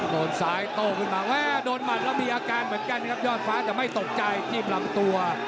โดนซ้ายโต้ขึ้นมาโดนหมัดแล้วมีอาการเหมือนกันครับยอดฟ้าแต่ไม่ตกใจที่ลำตัว